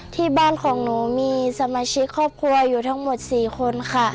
ที่บ้านของหนูมีสมาชิกครอบครัวอยู่ทั้งหมด๔คนค่ะ